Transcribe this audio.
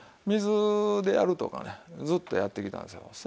水でやるとかねずっとやってきたんですよ。